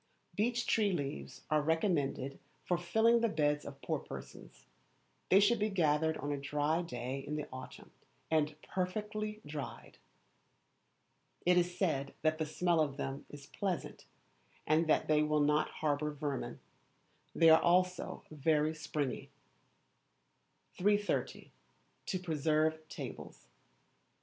Beech tree leaves are recommended for filling the beds of poor persons. They should be gathered on a dry day in the autumn, and perfectly dried. It is said that the smell of them is pleasant and that they will not harbour vermin. They are also very springy. 330. To Preserve Tables.